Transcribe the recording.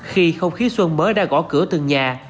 khi không khí xuân mới đã gõ cửa từng nhà